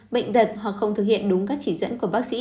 bệnh tật hoặc không thực hiện đúng các chỉ dẫn của bác sĩ